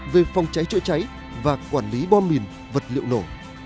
về phòng cháy chữa cháy và quản lý bom mìn vật liệu nổ